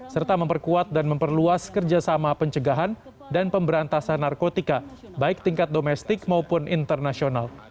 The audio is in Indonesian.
serta memperkuat dan memperluas kerjasama pencegahan dan pemberantasan narkotika baik tingkat domestik maupun internasional